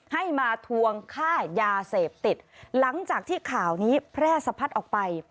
ให้มาทวงค่ายาเสพติดหลังจากที่ข่าวนี้แพร่สะพัดออกไป